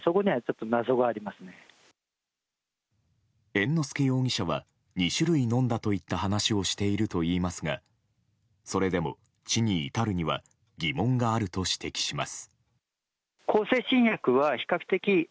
猿之助容疑者は２種類飲んだといった話をしているといいますがそれでも、死に至るには疑問があると指摘します。